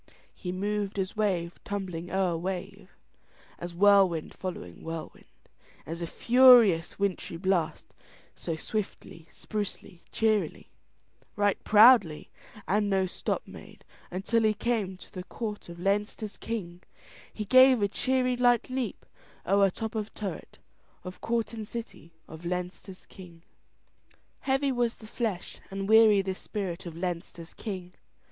He moved as wave tumbling o'er wave As whirlwind following whirlwind, As a furious wintry blast, So swiftly, sprucely, cheerily, Right proudly, And no stop made Until he came To the court of Leinster's King, He gave a cheery light leap O'er top of turret, Of court and city Of Leinster's King. Heavy was the flesh and weary the spirit of Leinster's king.